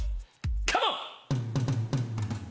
カモン。